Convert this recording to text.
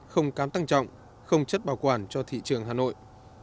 không kém tăng trọng không chất bảo quản cho thị trường hà nội